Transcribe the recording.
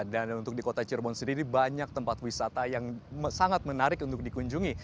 dan untuk di kota cirebon sendiri banyak tempat wisata yang sangat menarik untuk dikunjungi